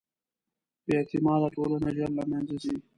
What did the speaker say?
بېاعتماده ټولنه ژر له منځه ځي.